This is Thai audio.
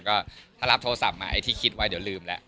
ก็ถ้ารับโทรศัพท์มาไอ้ที่คิดไว้เดี๋ยวลืมแล้ว